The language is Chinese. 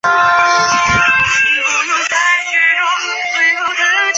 加泽伊河畔勒莫纳斯捷人口变化图示